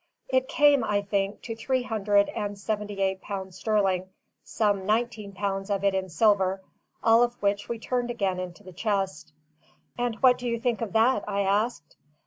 It came, I think, to three hundred and seventy eight pounds sterling; some nineteen pounds of it in silver: all of which we turned again into the chest. "And what do you think of that?" I asked.